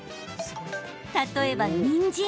例えば、にんじん。